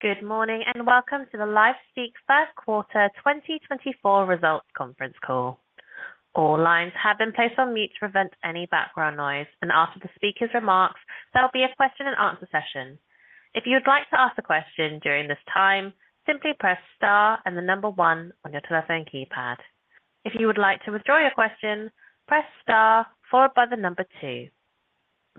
Good morning, and welcome to the LifeSpeak First Quarter 2024 Results Conference Call. All lines have been placed on mute to prevent any background noise, and after the speaker's remarks, there'll be a question and answer session. If you'd like to ask a question during this time, simply press star and the number one on your telephone keypad. If you would like to withdraw your question, press star followed by the number two.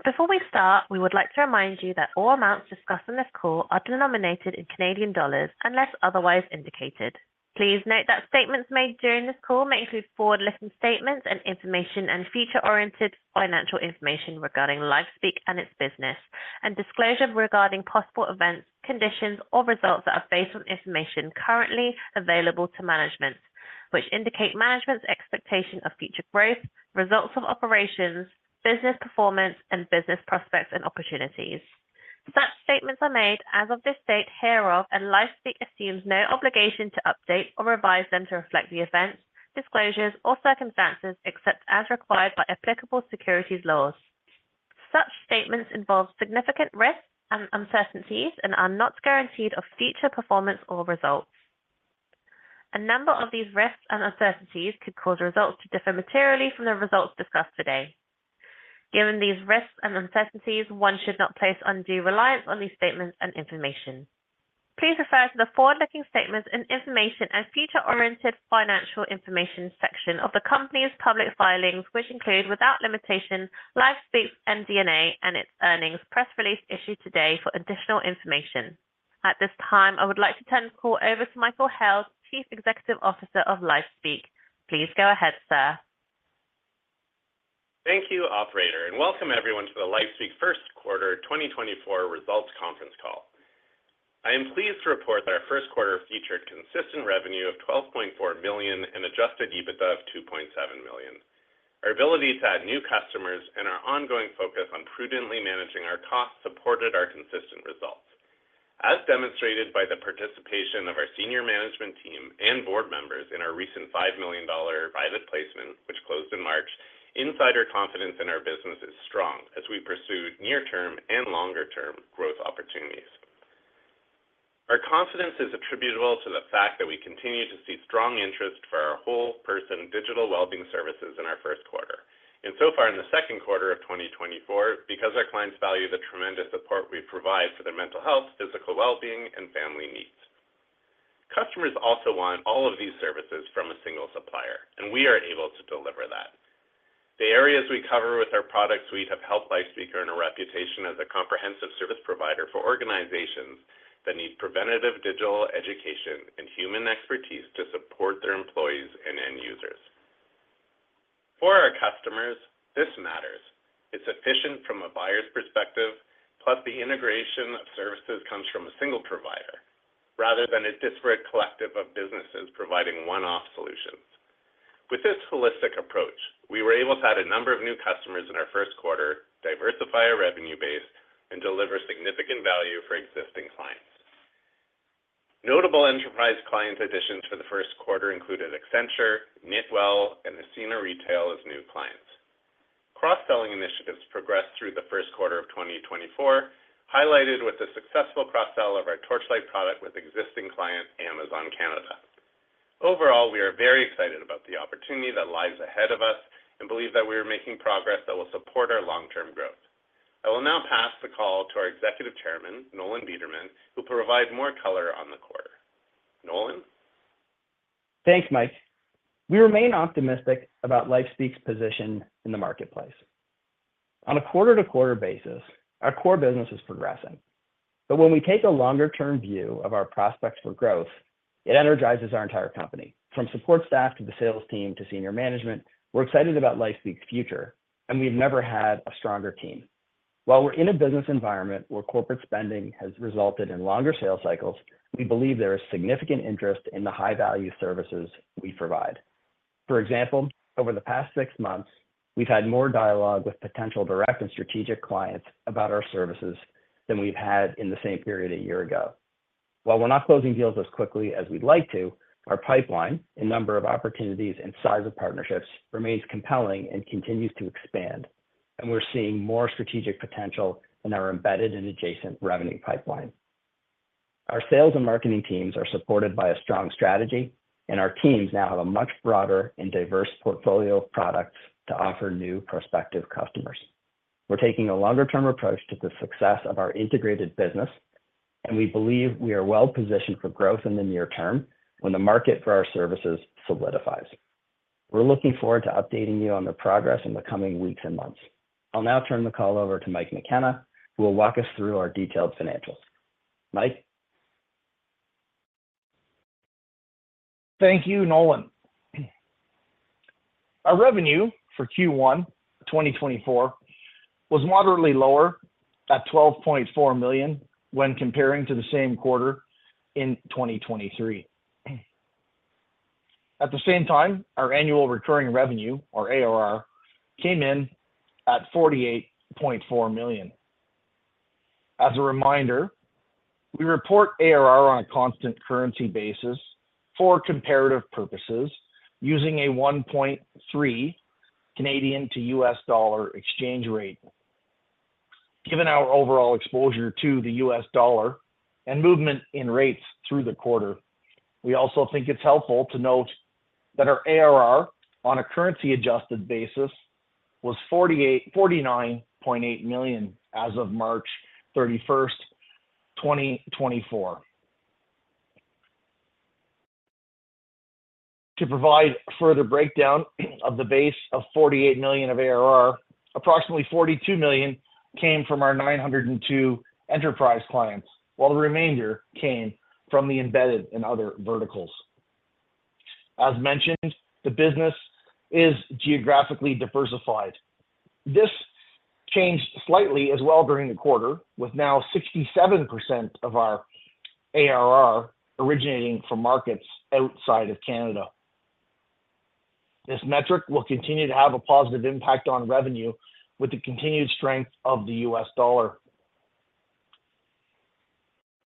Before we start, we would like to remind you that all amounts discussed on this call are denominated in Canadian dollars, unless otherwise indicated. Please note that statements made during this call may include forward-looking statements and information and future-oriented financial information regarding LifeSpeak and its business, and disclosure regarding possible events, conditions, or results that are based on information currently available to management, which indicate management's expectation of future growth, results of operations, business performance, and business prospects and opportunities. Such statements are made as of this date hereof, and LifeSpeak assumes no obligation to update or revise them to reflect the events, disclosures, or circumstances, except as required by applicable securities laws. Such statements involve significant risks and uncertainties and are not guaranteed of future performance or results. A number of these risks and uncertainties could cause results to differ materially from the results discussed today. Given these risks and uncertainties, one should not place undue reliance on these statements and information. Please refer to the forward-looking statements and Information and Future-Oriented Financial Information section of the Company's public filings, which include, without limitation, LifeSpeak MD&A and its earnings press release issued today for additional information. At this time, I would like to turn the call over to Michael Held, Chief Executive Officer of LifeSpeak. Please go ahead, sir. Thank you, operator, and welcome everyone to the LifeSpeak First Quarter 2024 Results Conference Call. I am pleased to report that our first quarter featured consistent revenue of 12.4 million and adjusted EBITDA of 2.7 million. Our ability to add new customers and our ongoing focus on prudently managing our costs supported our consistent results. As demonstrated by the participation of our senior management team and board members in our recent 5 million dollar private placement, which closed in March, insider confidence in our business is strong as we pursue near term and longer term growth opportunities. Our confidence is attributable to the fact that we continue to see strong interest for our whole person digital well-being services in our first quarter, and so far in the second quarter of 2024, because our clients value the tremendous support we provide for their mental health, physical well-being, and family needs. Customers also want all of these services from a single supplier, and we are able to deliver that. The areas we cover with our product suite have helped LifeSpeak earn a reputation as a comprehensive service provider for organizations that need preventative digital education and human expertise to support their employees and end users. For our customers, this matters. It's efficient from a buyer's perspective, plus the integration of services comes from a single provider rather than a disparate collective of businesses providing one-off solutions. With this holistic approach, we were able to add a number of new customers in our first quarter, diversify our revenue base, and deliver significant value for existing clients. Notable enterprise client additions for the first quarter included Accenture, KnitWell, and Ascena Retail as new clients. Cross-selling initiatives progressed through the first quarter of 2024, highlighted with the successful cross-sell of our Torchlight product with existing client, Amazon Canada. Overall, we are very excited about the opportunity that lies ahead of us and believe that we are making progress that will support our long-term growth. I will now pass the call to our Executive Chairman, Nolan Bederman, who will provide more color on the quarter. Nolan? Thanks, Mike. We remain optimistic about LifeSpeak's position in the marketplace. On a quarter-to-quarter basis, our core business is progressing, but when we take a longer-term view of our prospects for growth, it energizes our entire company. From support staff to the sales team to senior management, we're excited about LifeSpeak's future, and we've never had a stronger team. While we're in a business environment where corporate spending has resulted in longer sales cycles, we believe there is significant interest in the high-value services we provide. For example, over the past six months, we've had more dialogue with potential direct and strategic clients about our services than we've had in the same period a year ago. While we're not closing deals as quickly as we'd like to, our pipeline and number of opportunities and size of partnerships remains compelling and continues to expand, and we're seeing more strategic potential in our embedded and adjacent revenue pipeline. Our sales and marketing teams are supported by a strong strategy, and our teams now have a much broader and diverse portfolio of products to offer new prospective customers. We're taking a longer-term approach to the success of our integrated business, and we believe we are well positioned for growth in the near term when the market for our services solidifies. We're looking forward to updating you on the progress in the coming weeks and months. I'll now turn the call over to Mike McKenna, who will walk us through our detailed financials. Mike? Thank you, Nolan. Our revenue for Q1 2024 was moderately lower at 12.4 million when comparing to the same quarter in 2023. At the same time, our annual recurring revenue, or ARR, came in at 48.4 million. As a reminder, we report ARR on a constant currency basis for comparative purposes, using a 1.3 Canadian to U.S. dollar exchange rate. Given our overall exposure to the U.S. dollar and movement in rates through the quarter, we also think it's helpful to note that our ARR on a currency-adjusted basis was 49.8 million as of March 31st, 2024. To provide further breakdown of the base of 48 million of ARR, approximately 42 million came from our 902 enterprise clients, while the remainder came from the embedded and other verticals. As mentioned, the business is geographically diversified. This changed slightly as well during the quarter, with now 67% of our ARR originating from markets outside of Canada. This metric will continue to have a positive impact on revenue with the continued strength of the U.S. dollar.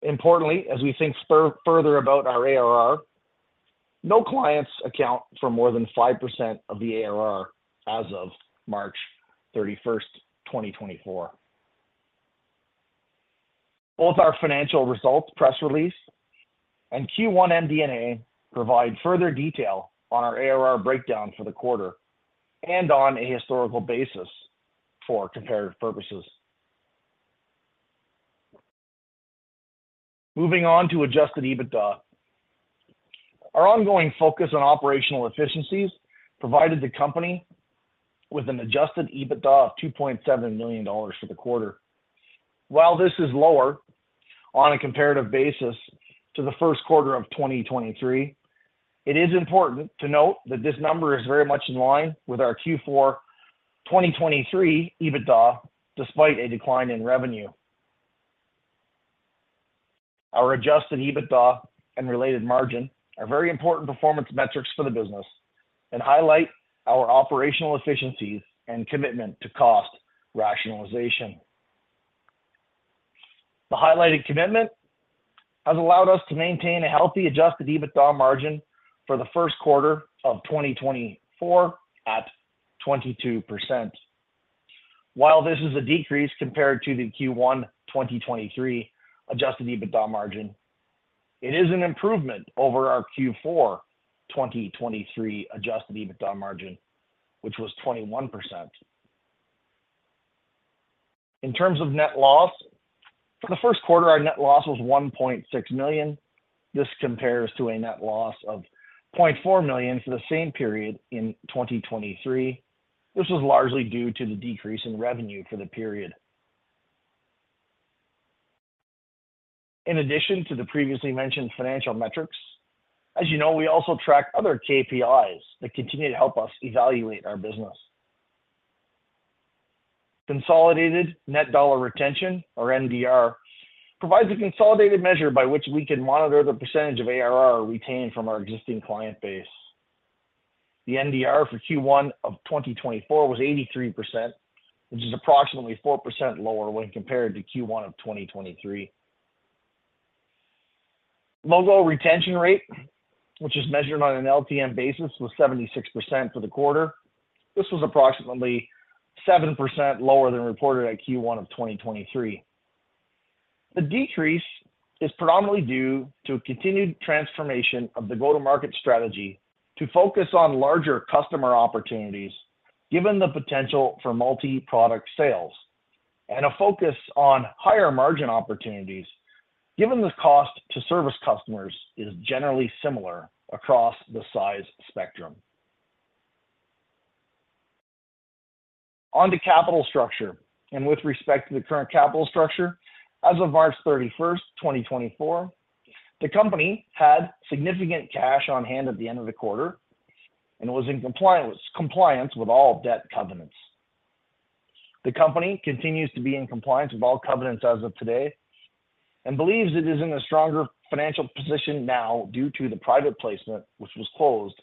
Importantly, as we think further about our ARR, no clients account for more than 5% of the ARR as of March 31, 2024. Both our financial results, press release, and Q1 MD&A provide further detail on our ARR breakdown for the quarter and on a historical basis for comparative purposes. Moving on to adjusted EBITDA. Our ongoing focus on operational efficiencies provided the company with an adjusted EBITDA of 2.7 million dollars for the quarter. While this is lower on a comparative basis to the first quarter of 2023, it is important to note that this number is very much in line with our Q4 2023 EBITDA, despite a decline in revenue. Our adjusted EBITDA and related margin are very important performance metrics for the business and highlight our operational efficiencies and commitment to cost rationalization. The highlighted commitment has allowed us to maintain a healthy adjusted EBITDA margin for the first quarter of 2024 at 22%. While this is a decrease compared to the Q1 2023 adjusted EBITDA margin, it is an improvement over our Q4 2023 adjusted EBITDA margin, which was 21%. In terms of net loss, for the first quarter, our net loss was 1.6 million. This compares to a net loss of 0.4 million for the same period in 2023. This was largely due to the decrease in revenue for the period. In addition to the previously mentioned financial metrics, as you know, we also track other KPIs that continue to help us evaluate our business. Consolidated net dollar retention, or NDR, provides a consolidated measure by which we can monitor the percentage of ARR retained from our existing client base. The NDR for Q1 of 2024 was 83%, which is approximately 4% lower when compared to Q1 of 2023. Logo retention rate, which is measured on an LTM basis, was 76% for the quarter. This was approximately 7% lower than reported at Q1 of 2023. The decrease is predominantly due to a continued transformation of the go-to-market strategy to focus on larger customer opportunities, given the potential for multi-product sales and a focus on higher-margin opportunities, given the cost to service customers is generally similar across the size spectrum. On to capital structure, and with respect to the current capital structure, as of March 31, 2024, the company had significant cash on hand at the end of the quarter and was in compliance with all debt covenants. The company continues to be in compliance with all covenants as of today and believes it is in a stronger financial position now due to the private placement, which was closed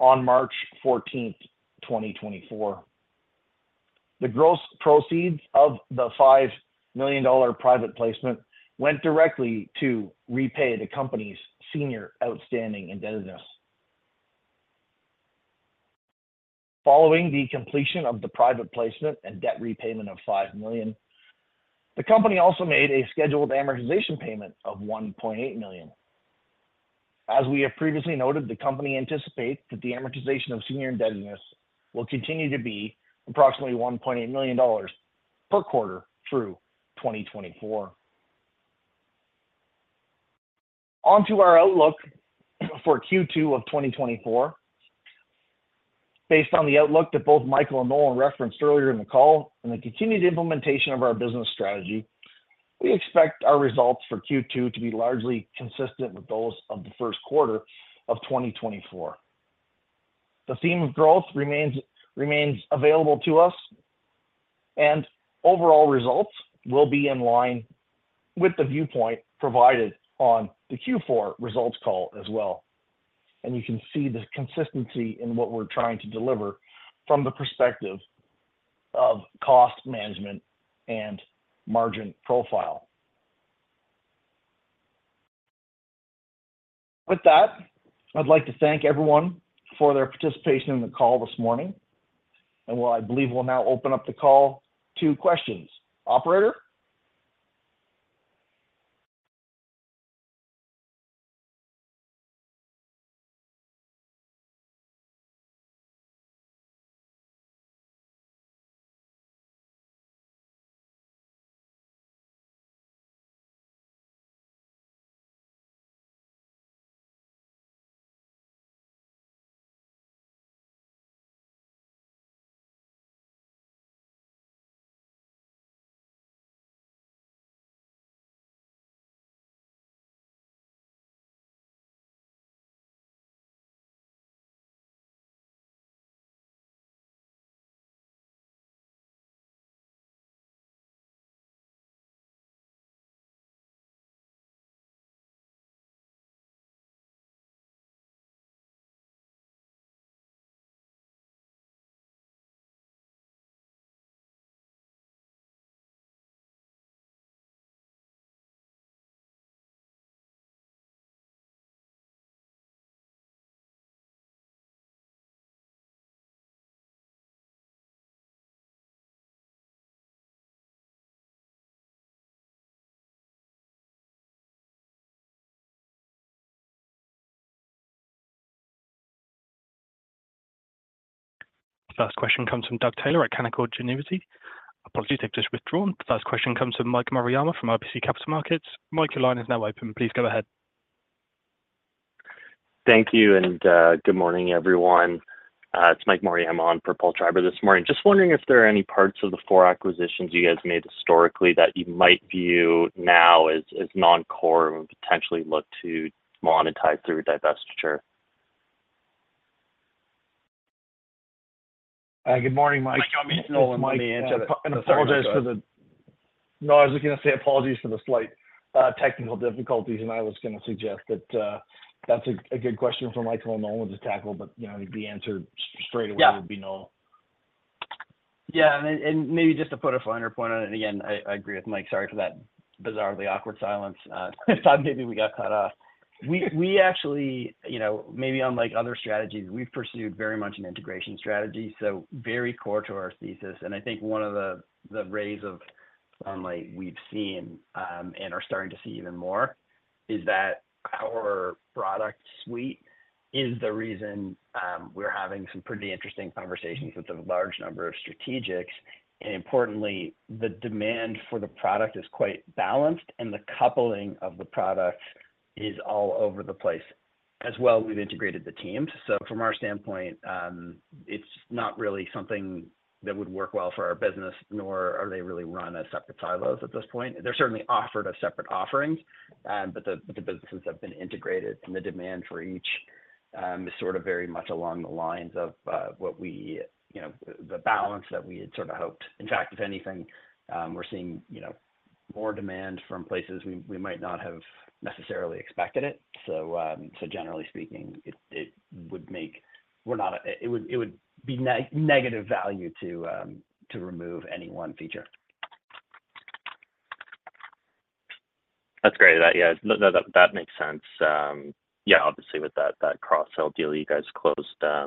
on March 14, 2024. The gross proceeds of the 5 million dollar private placement went directly to repay the company's senior outstanding indebtedness. Following the completion of the private placement and debt repayment of 5 million, the company also made a scheduled amortization payment of 1.8 million. As we have previously noted, the company anticipates that the amortization of senior indebtedness will continue to be approximately 1.8 million dollars per quarter through 2024. On to our outlook for Q2 of 2024. Based on the outlook that both Michael and Nolan referenced earlier in the call and the continued implementation of our business strategy, we expect our results for Q2 to be largely consistent with those of the first quarter of 2024. The theme of growth remains available to us, and overall results will be in line with the viewpoint provided on the Q4 results call as well. And you can see the consistency in what we're trying to deliver from the perspective of cost management and margin profile. With that, I'd like to thank everyone for their participation in the call this morning. Well, I believe we'll now open up the call to questions. Operator? The first question comes from Doug Taylor at Canaccord Genuity. Apologies, they've just withdrawn. The first question comes from Mike Moriyama from RBC Capital Markets. Mike, your line is now open. Please go ahead. Thank you, and good morning, everyone. It's Mike Moriyama on for Paul Treiber this morning. Just wondering if there are any parts of the four acquisitions you guys made historically that you might view now as non-core and potentially look to monetize through divestiture? Good morning, Mike. Mike, it's Nolan, and I apologize for the- No, I was gonna say apologies for the slight technical difficulties, and I was gonna suggest that that's a good question for Michael and Nolan to tackle, but you know, the answer straight away- Yeah. Would be no. Yeah, and maybe just to put a finer point on it, again, I agree with Mike. Sorry for that bizarrely awkward silence. I thought maybe we got cut off. We actually, you know, maybe unlike other strategies, we've pursued very much an integration strategy, so very core to our thesis. And I think one of the rays of sunlight we've seen, and are starting to see even more, is that our product suite is the reason we're having some pretty interesting conversations with a large number of strategics. And importantly, the demand for the product is quite balanced, and the coupling of the product is all over the place. As well, we've integrated the teams. So from our standpoint, it's not really something that would work well for our business, nor are they really run as separate silos at this point. They're certainly offered as separate offerings, but the businesses have been integrated, and the demand for each is sort of very much along the lines of what we... You know, the balance that we had sort of hoped. In fact, if anything, we're seeing, you know, more demand from places we might not have necessarily expected it. So, generally speaking, it would make... We're not, it would be negative value to remove any one feature. That's great. Yeah, no, that makes sense. Yeah, obviously with that cross-sell deal you guys closed, I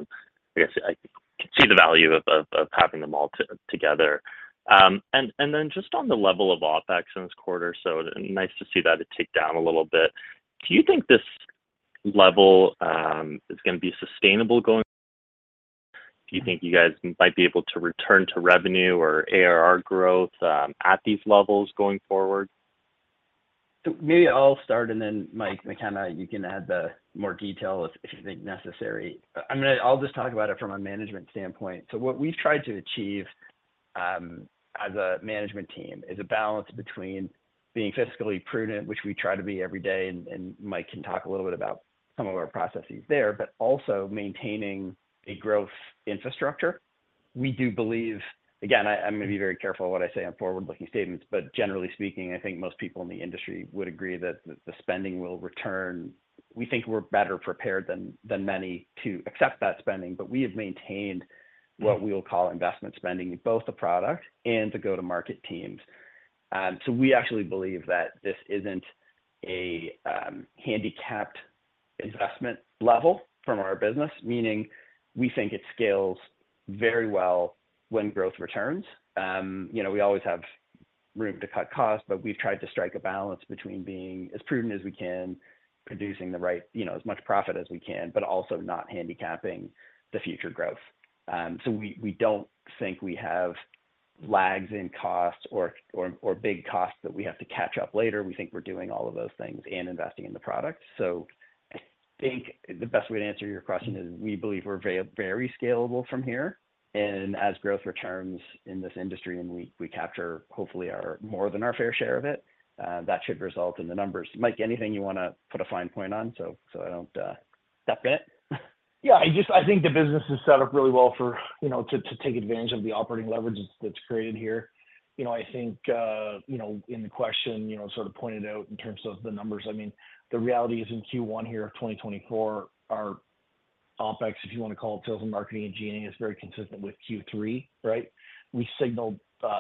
guess I can see the value of having them all together. And then just on the level of OpEx in this quarter, so nice to see that it ticked down a little bit. Do you think this level is gonna be sustainable going...? Do you think you guys might be able to return to revenue or ARR growth at these levels going forward? So maybe I'll start, and then Mike McKenna, you can add more detail if you think necessary. I'm gonna... I'll just talk about it from a management standpoint. So what we've tried to achieve, as a management team, is a balance between being fiscally prudent, which we try to be every day, and Mike can talk a little bit about some of our processes there, but also maintaining a growth infrastructure. We do believe, again, I'm gonna be very careful what I say on forward-looking statements, but generally speaking, I think most people in the industry would agree that the spending will return. We think we're better prepared than many to accept that spending, but we have maintained what we'll call investment spending in both the product and the go-to-market teams. So we actually believe that this isn't a handicapped investment level from our business, meaning we think it scales very well when growth returns. You know, we always have room to cut costs, but we've tried to strike a balance between being as prudent as we can, producing the right, you know, as much profit as we can, but also not handicapping the future growth. So we don't think we have lags in costs or, or big costs that we have to catch up later. We think we're doing all of those things and investing in the product. So I think the best way to answer your question is, we believe we're very scalable from here. And as growth returns in this industry and we capture, hopefully, our more than our fair share of it, that should result in the numbers. Mike, anything you wanna put a fine point on, so, so I don't step in it? Yeah, I just think the business is set up really well for, you know, to take advantage of the operating leverage that's created here. You know, I think, you know, in the question, you know, sort of pointed out in terms of the numbers, I mean, the reality is, in Q1 here, 2024, our-... OpEx, if you want to call it sales and marketing and G&A, is very consistent with Q3, right? We signaled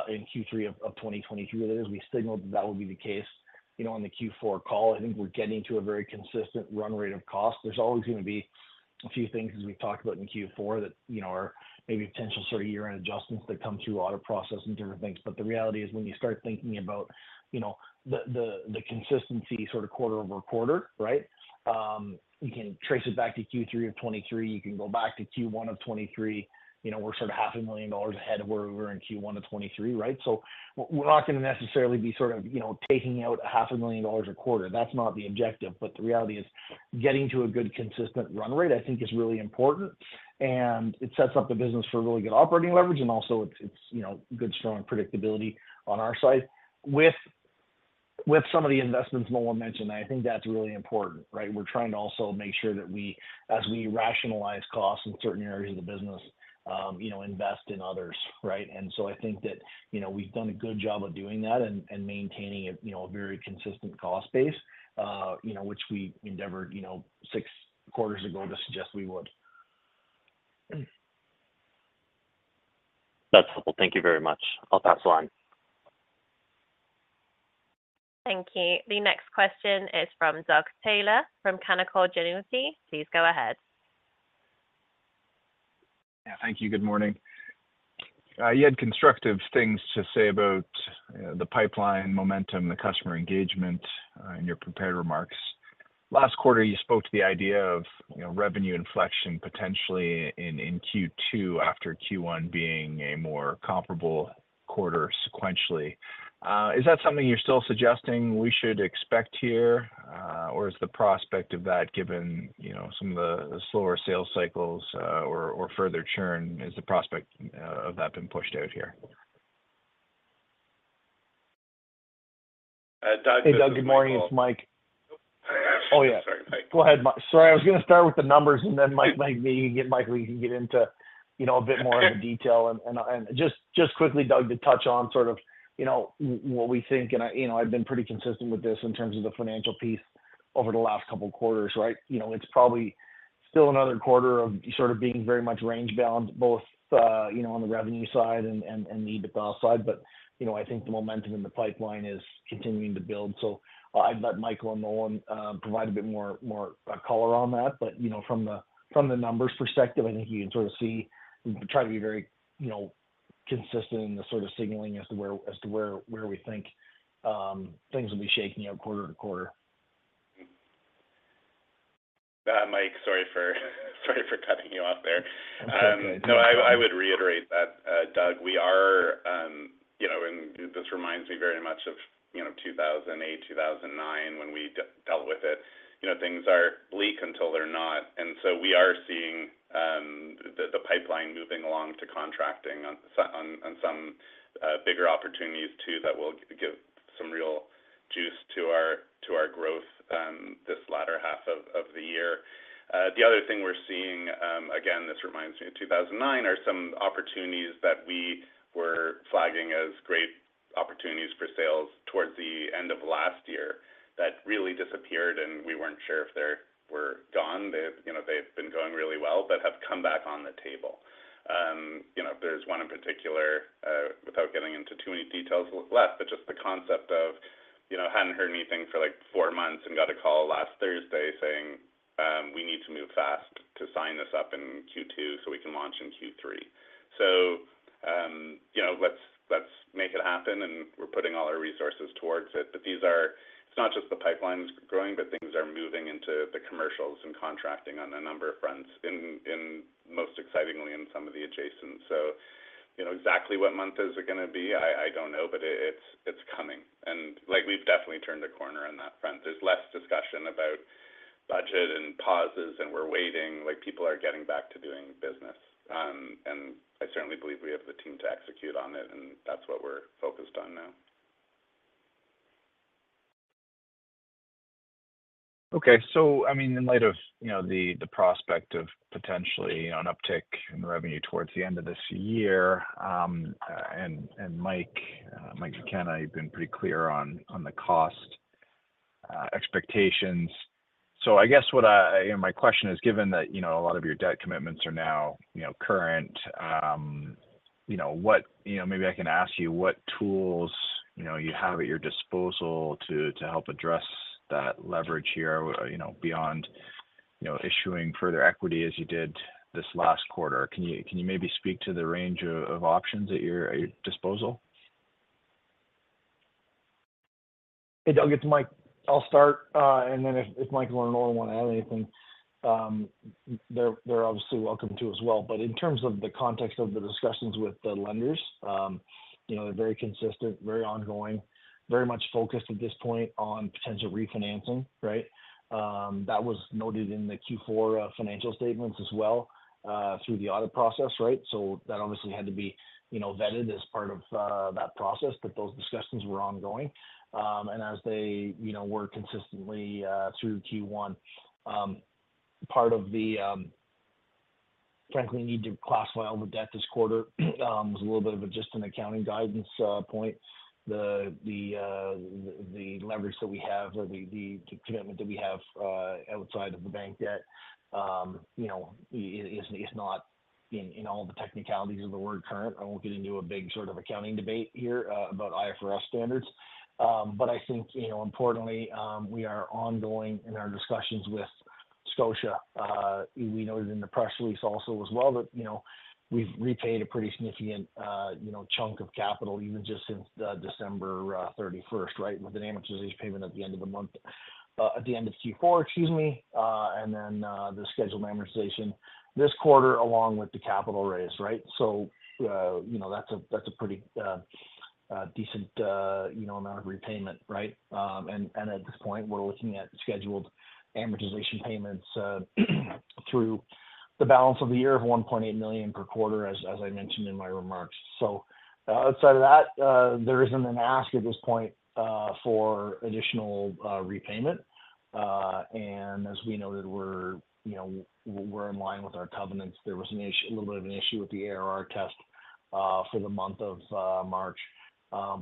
in Q3 of 2022, as we signaled, that would be the case, you know, on the Q4 call. I think we're getting to a very consistent run rate of cost. There's always going to be a few things, as we've talked about in Q4, that, you know, are maybe potential sort of year-end adjustments that come through audit process and different things. But the reality is, when you start thinking about, you know, the, the, the consistency sort of quarter-over-quarter, right? You can trace it back to Q3 of 2023, you can go back to Q1 of 2023. You know, we're sort of 500,000 dollars ahead of where we were in Q1 of 2023, right? So we're not gonna necessarily be sort of, you know, taking out 0.5 million dollars a quarter. That's not the objective, but the reality is, getting to a good consistent run rate, I think is really important, and it sets up the business for really good operating leverage. And also it's, you know, good, strong predictability on our side. With some of the investments Nolan mentioned, I think that's really important, right? We're trying to also make sure that we as we rationalize costs in certain areas of the business, you know, invest in others, right? And so I think that, you know, we've done a good job of doing that and maintaining a, you know, a very consistent cost base, you know, which we endeavored, you know, six quarters ago to suggest we would. That's helpful. Thank you very much. I'll pass the line. Thank you. The next question is from Doug Taylor from Canaccord Genuity. Please go ahead. Yeah, thank you. Good morning. You had constructive things to say about the pipeline momentum, the customer engagement in your prepared remarks. Last quarter, you spoke to the idea of, you know, revenue inflection, potentially in Q2, after Q1 being a more comparable quarter sequentially. Is that something you're still suggesting we should expect here? Or is the prospect of that given, you know, some of the slower sales cycles or further churn, has the prospect of that been pushed out here? Uh, Doug- Hey, Doug, good morning. It's Mike. Oh, yeah. Sorry, Mike. Go ahead, Mike. Sorry, I was gonna start with the numbers, and then Mike, maybe you can get Michael in, he can get into, you know, a bit more of the detail. And just quickly, Doug, to touch on sort of, you know, what we think, and I, you know, I've been pretty consistent with this in terms of the financial piece over the last couple of quarters, right? You know, it's probably still another quarter of sort of being very much range-bound, both, you know, on the revenue side and the EBITDA side. But, you know, I think the momentum in the pipeline is continuing to build. So I'll let Michael and Nolan provide a bit more color on that. But, you know, from the numbers perspective, I think you can sort of see, we try to be very, you know, consistent in the sort of signaling as to where we think things will be shaking out quarter to quarter. Mike, sorry for, sorry for cutting you off there. That's okay. No, I would reiterate that, Doug, we are, you know—and this reminds me very much of, you know, 2008, 2009, when we dealt with it. You know, things are bleak until they're not. And so we are seeing the pipeline moving along to contracting on some bigger opportunities too, that will give some real juice to our growth this latter half of the year. The other thing we're seeing, again, this reminds me of 2009, are some opportunities that we were flagging as great opportunities for sales towards the end of last year, that really disappeared, and we weren't sure if they were gone. They've, you know, they've been going really well, but have come back on the table. You know, there's one in particular, without getting into too many details left, but just the concept of, you know, hadn't heard anything for, like, four months and got a call last Thursday saying, "We need to move fast to sign this up in Q2, so we can launch in Q3." So, you know, let's, let's make it happen, and we're putting all our resources towards it. But these are. It's not just the pipelines growing, but things are moving into the commercials and contracting on a number of fronts in, most excitingly, in some of the adjacent. So you know, exactly what month is it gonna be? I don't know, but it's, it's coming, and like, we've definitely turned a corner on that front. There's less discussion about budget and pauses, and we're waiting, like, people are getting back to doing business. I certainly believe we have the team to execute on it, and that's what we're focused on now. Okay. So I mean, in light of, you know, the prospect of potentially an uptick in revenue towards the end of this year, and Mike McKenna, you've been pretty clear on the cost expectations. So I guess my question is, given that, you know, a lot of your debt commitments are now, you know, current, you know, maybe I can ask you, what tools, you know, you have at your disposal to help address that leverage here, you know, beyond, you know, issuing further equity as you did this last quarter? Can you maybe speak to the range of options at your disposal? Hey, Doug, it's Mike. I'll start, and then if, if Michael and Nolan want to add anything, they're, they're obviously welcome to as well. But in terms of the context of the discussions with the lenders, you know, they're very consistent, very ongoing, very much focused at this point on potential refinancing, right? That was noted in the Q4 financial statements as well, through the audit process, right? So that obviously had to be, you know, vetted as part of that process, but those discussions were ongoing. And as they, you know, were consistently through Q1, part of the-... frankly, need to classify all the debt this quarter, as a little bit of just an accounting guidance point. The leverage that we have, or the commitment that we have, outside of the bank debt, you know, is not in all the technicalities of the word current. I won't get into a big sort of accounting debate here, about IFRS standards. But I think, you know, importantly, we are ongoing in our discussions with Scotia. We noted in the press release also as well that, you know, we've repaid a pretty significant, you know, chunk of capital, even just since December thirty-first, right? With an amortization payment at the end of the month, at the end of Q4, excuse me, and then the scheduled amortization this quarter, along with the capital raise, right? So, you know, that's a pretty decent, you know, amount of repayment, right? And at this point, we're looking at scheduled amortization payments through the balance of the year of 1.8 million per quarter, as I mentioned in my remarks. So, outside of that, there isn't an ask at this point for additional repayment. And as we noted, you know, we're in line with our covenants. There was an issue, a little bit of an issue with the ARR test for the month of March.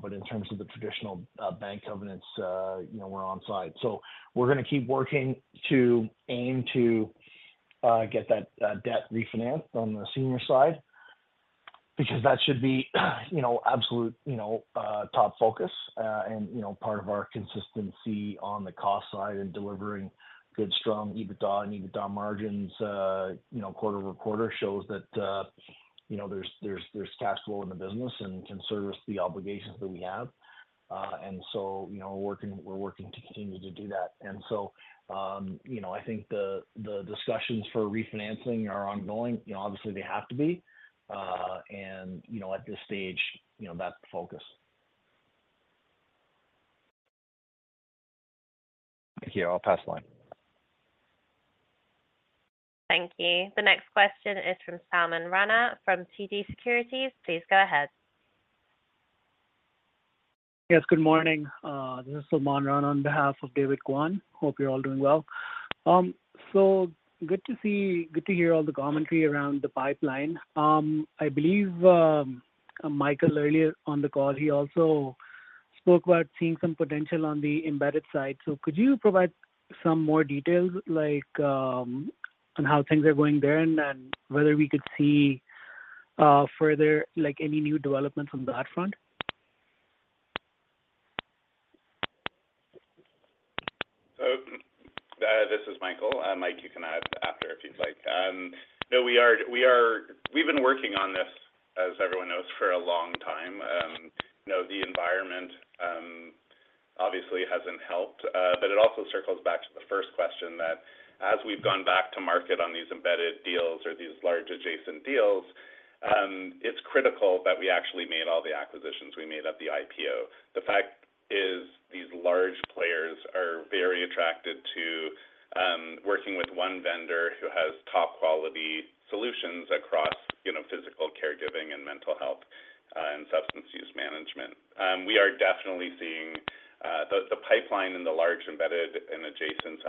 But in terms of the traditional bank covenants, you know, we're onside. So we're gonna keep working to aim to get that debt refinanced on the senior side, because that should be, you know, absolute, you know, top focus, and, you know, part of our consistency on the cost side and delivering good, strong EBITDA and EBITDA margins, you know, quarter-over-quarter shows that, you know, there's cash flow in the business and can service the obligations that we have. And so, you know, we're working to continue to do that. And so, you know, I think the discussions for refinancing are ongoing. You know, obviously, they have to be. And, you know, at this stage, you know, that's the focus. Thank you. I'll pass the line. Thank you. The next question is from Salman Rana from TD Securities. Please go ahead. Yes, good morning. This is Salman Rana on behalf of David Kwan. Hope you're all doing well. So good to see-- good to hear all the commentary around the pipeline. I believe, Michael, earlier on the call, he also spoke about seeing some potential on the embedded side. So could you provide some more details like, on how things are going there and then whether we could see, further, like, any new developments on that front? So, this is Michael, and Mike, you can add after if you'd like. No, we've been working on this, as everyone knows, for a long time. You know, the environment, obviously hasn't helped, but it also circles back to the first question that as we've gone back to market on these embedded deals or these large adjacent deals, it's critical that we actually made all the acquisitions we made at the IPO. The fact is, these large players are very attracted to, working with one vendor who has top-quality solutions across, you know, physical caregiving and mental health, and substance use management. We are definitely seeing, the pipeline in the large embedded and adjacent,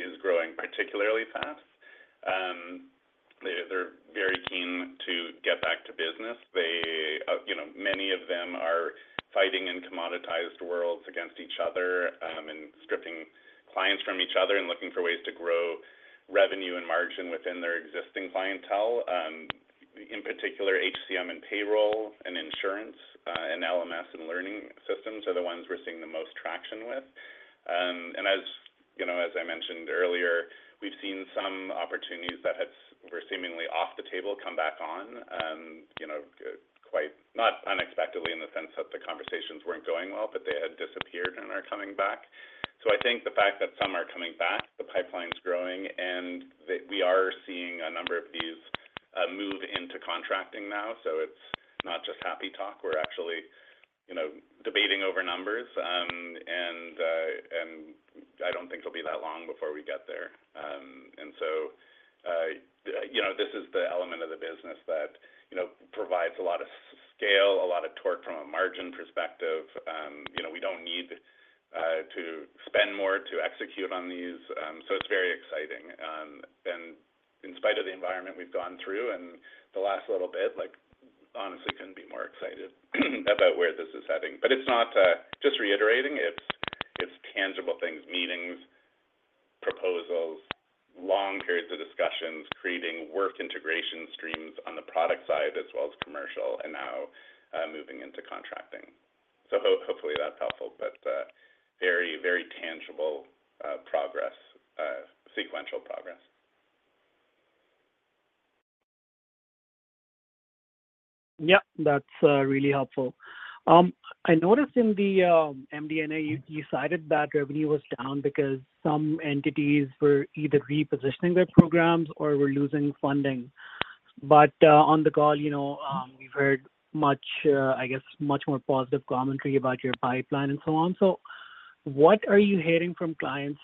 is growing particularly fast. They, they're very keen to get back to business. They, you know, many of them are fighting in commoditized worlds against each other, and stripping clients from each other and looking for ways to grow revenue and margin within their existing clientele. In particular, HCM and payroll, and insurance, and LMS, and learning systems are the ones we're seeing the most traction with. And as, you know, as I mentioned earlier, we've seen some opportunities that were seemingly off the table come back on, you know, quite, not unexpectedly, in the sense that the conversations weren't going well, but they had disappeared and are coming back. So I think the fact that some are coming back, the pipeline's growing, and that we are seeing a number of these move into contracting now. So it's not just happy talk. We're actually, you know, debating over numbers, and I don't think it'll be that long before we get there. And so, you know, this is the element of the business that, you know, provides a lot of scale, a lot of torque from a margin perspective. You know, we don't need to spend more to execute on these, so it's very exciting. And in spite of the environment we've gone through in the last little bit, like, honestly, couldn't be more excited about where this is heading. But it's not just reiterating, it's tangible things, meetings, proposals, long periods of discussions, creating work integration streams on the product side as well as commercial, and now moving into contracting. So hopefully, that's helpful, but very, very tangible progress, sequential progress. Yeah, that's really helpful. I noticed in the MD&A, you cited that revenue was down because some entities were either repositioning their programs or were losing funding. But on the call, you know, we've heard much, I guess, much more positive commentary about your pipeline and so on. So what are you hearing from clients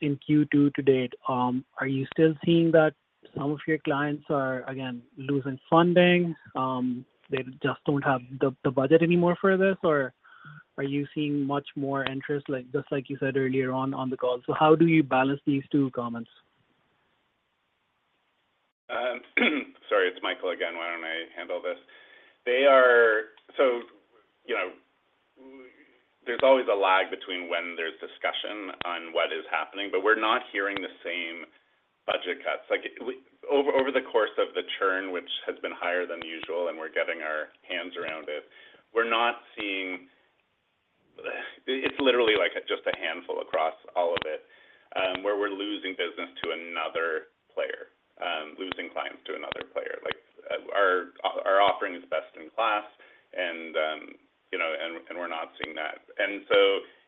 in Q2 to date? Are you still seeing that some of your clients are, again, losing funding? They just don't have the budget anymore for this, or? Are you seeing much more interest, like, just like you said earlier on the call? So how do you balance these two comments? Sorry, it's Michael again. Why don't I handle this? So, you know, there's always a lag between when there's discussion on what is happening, but we're not hearing the same budget cuts. Like, over the course of the churn, which has been higher than usual, and we're getting our hands around it, we're not seeing... It's literally like just a handful across all of it, where we're losing business to another player, losing clients to another player. Like, our offering is best in class, and you know, and we're not seeing that. So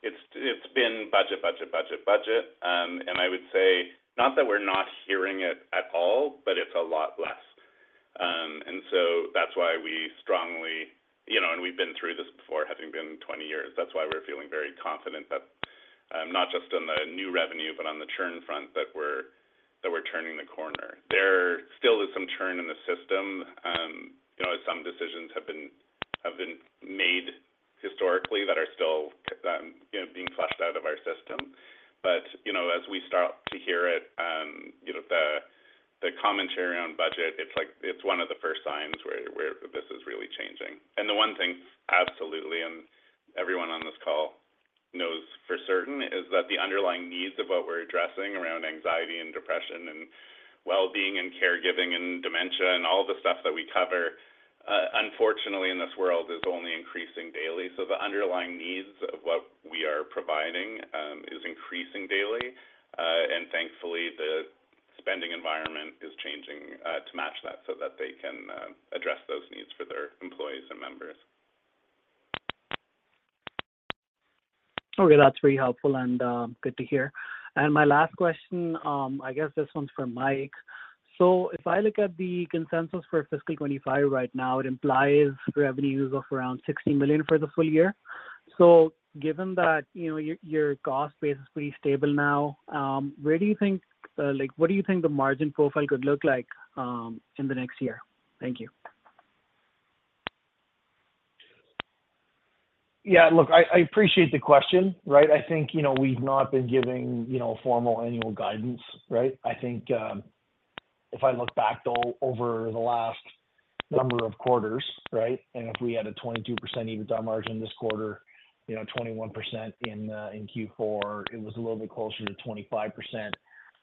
it's been budget, budget, budget, budget. And I would say, not that we're not hearing it at all, but it's a lot less. And so that's why we strongly, you know, and we've been through this before, having been 20 years, that's why we're feeling very confident that, not just on the new revenue, but on the churn front, that we're, that we're turning the corner. There still is some churn in the system. You know, some decisions have been, have been made historically that are still, you know, being flushed out of our system. But, you know, as we start to hear it, you know, the, the commentary on budget, it's like it's one of the first signs where, where this is really changing. The one thing, absolutely, and everyone on this call knows for certain, is that the underlying needs of what we're addressing around anxiety and depression, and well-being, and caregiving, and dementia, and all the stuff that we cover, unfortunately, in this world, is only increasing daily. The underlying needs of what we are providing, is increasing daily. And thankfully, the spending environment is changing, to match that so that they can address those needs for their employees and members. Okay, that's very helpful and, good to hear. And my last question, I guess this one's for Mike. So if I look at the consensus for fiscal 2025 right now, it implies revenues of around 60 million for the full year. So given that, you know, your, your cost base is pretty stable now, where do you think, like, what do you think the margin profile could look like, in the next year? Thank you. Yeah, look, I appreciate the question, right? I think, you know, we've not been giving, you know, formal annual guidance, right? I think, if I look back though, over the last number of quarters, right, and if we had a 22% EBITDA margin this quarter, you know, 21% in Q4, it was a little bit closer to 25%,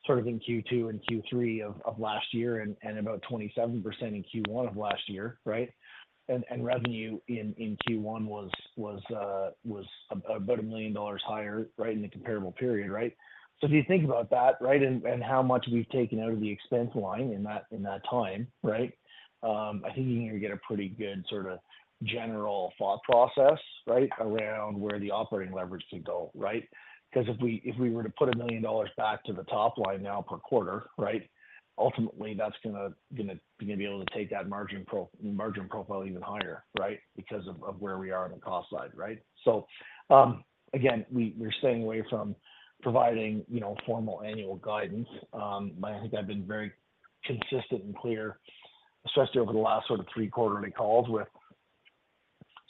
sort of in Q2 and Q3 of last year, and about 27% in Q1 of last year, right? And revenue in Q1 was about 1 million dollars higher, right, in the comparable period, right? So if you think about that, right, and how much we've taken out of the expense line in that time, right, I think you're going to get a pretty good sort of general thought process, right, around where the operating leverage could go, right? Because if we were to put 1 million dollars back to the top line now per quarter, right, ultimately, that's gonna be able to take that margin profile even higher, right? Because of where we are on the cost side, right? So, again, we're staying away from providing, you know, formal annual guidance. But I think I've been very consistent and clear, especially over the last sort of three quarterly calls, with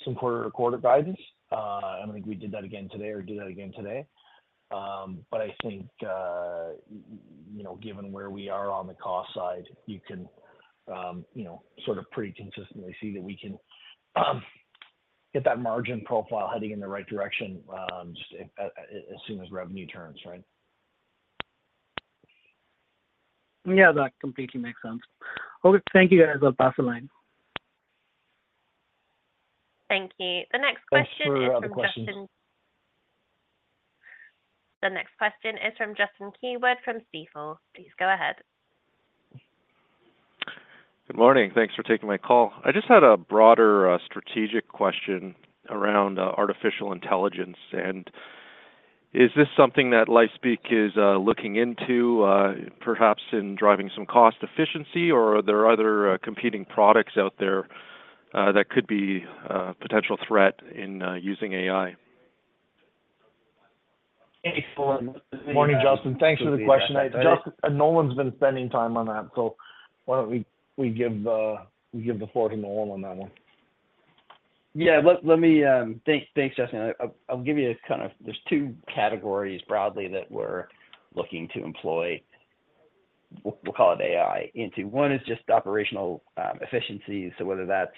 some quarter-to-quarter guidance. I don't think we did that again today or do that again today. But I think, you know, given where we are on the cost side, you can, you know, sort of pretty consistently see that we can get that margin profile heading in the right direction, just as soon as revenue turns, right? Yeah, that completely makes sense. Okay. Thank you, guys. I'll pass the line. Thank you. The next question- Thanks for other questions. The next question is from Justin Keywood from Stifel. Please go ahead. Good morning. Thanks for taking my call. I just had a broader, strategic question around, artificial intelligence, and is this something that LifeSpeak is, looking into, perhaps in driving some cost efficiency, or are there other, competing products out there, that could be a potential threat in, using AI? Morning, Justin. Thanks for the question. Justin, Nolan's been spending time on that, so why don't we give the floor to Nolan on that one? Yeah, let me... Thanks, Justin. I'll give you a kind of— There's two categories broadly that we're looking to employ, we'll call it AI into. One is just operational efficiencies. So whether that's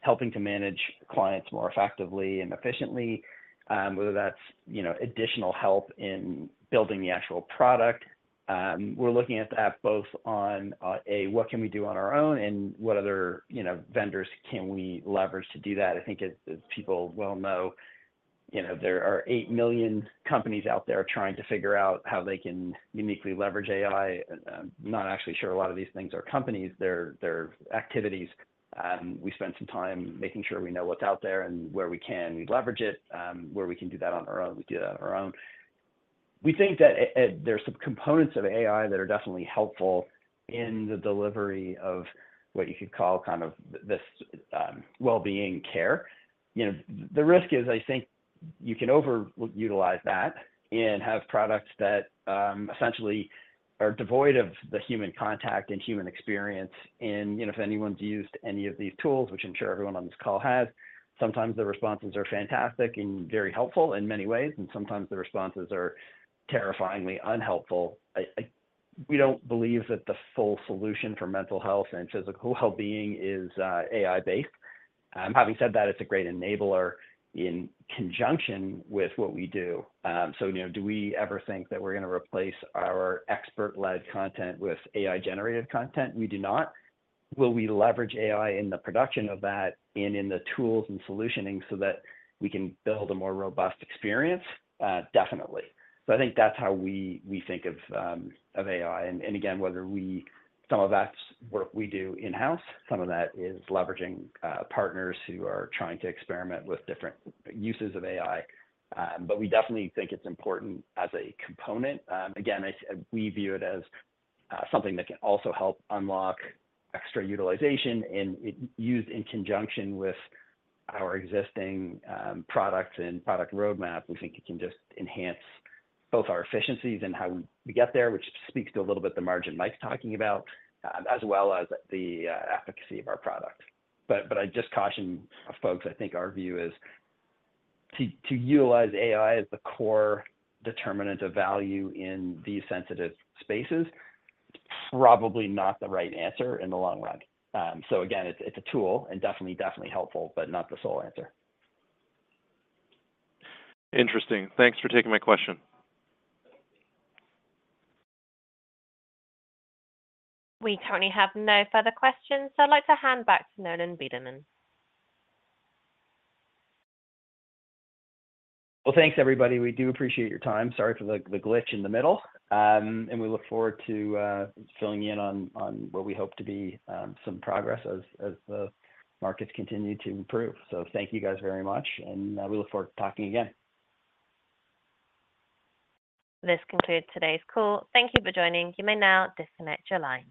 helping to manage clients more effectively and efficiently, whether that's, you know, additional help in building the actual product, we're looking at that both on what can we do on our own and what other, you know, vendors can we leverage to do that? I think as people well know, you know, there are 8 million companies out there trying to figure out how they can uniquely leverage AI. I'm not actually sure a lot of these things are companies, they're activities. We spent some time making sure we know what's out there and where we can leverage it, where we can do that on our own, we do that on our own. We think that there are some components of AI that are definitely helpful in the delivery of what you could call kind of this well-being care. You know, the risk is, I think-... you can over utilize that and have products that, essentially are devoid of the human contact and human experience. You know, if anyone's used any of these tools, which I'm sure everyone on this call has, sometimes the responses are fantastic and very helpful in many ways, and sometimes the responses are terrifyingly unhelpful. We don't believe that the full solution for mental health and physical well-being is AI-based. Having said that, it's a great enabler in conjunction with what we do. So, you know, do we ever think that we're gonna replace our expert-led content with AI-generated content? We do not. Will we leverage AI in the production of that and in the tools and solutioning so that we can build a more robust experience? Definitely. So I think that's how we think of AI. And again, whether we, some of that's work we do in-house, some of that is leveraging partners who are trying to experiment with different uses of AI. But we definitely think it's important as a component. Again, I, we view it as something that can also help unlock extra utilization, and it used in conjunction with our existing products and product roadmap. We think it can just enhance both our efficiencies and how we get there, which speaks to a little bit the margin Mike's talking about, as well as the efficacy of our product. But I just caution folks, I think our view is to utilize AI as the core determinant of value in these sensitive spaces, probably not the right answer in the long run. So again, it's a tool, and definitely helpful, but not the sole answer. Interesting. Thanks for taking my question. We currently have no further questions, so I'd like to hand back to Nolan Bederman. Well, thanks, everybody. We do appreciate your time. Sorry for the glitch in the middle. And we look forward to filling you in on what we hope to be some progress as the markets continue to improve. So thank you guys very much, and we look forward to talking again. This concludes today's call. Thank you for joining. You may now disconnect your line.